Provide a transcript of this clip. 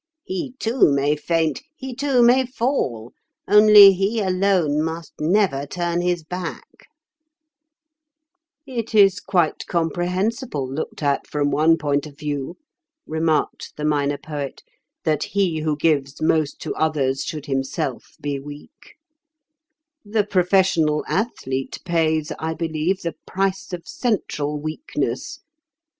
He, too, may faint, he, too, may fall; only he alone must never turn his back." [Picture: The singer may be a heavy, fleshy man with a taste for beer] "It is quite comprehensible, looked at from one point of view," remarked the Minor Poet, "that he who gives most to others should himself be weak. The professional athlete pays, I believe, the price of central weakness.